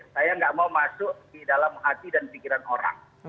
saya nggak mau masuk di dalam hati dan pikiran orang